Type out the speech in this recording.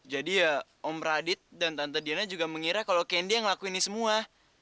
jadi ya om radit dan tante diana juga mengira kalau candy yang ngelakuin ini semua